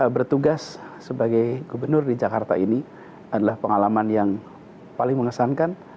bertugas sebagai gubernur di jakarta ini adalah pengalaman yang paling mengesankan